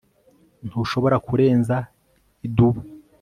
ntushobora kurenza idubu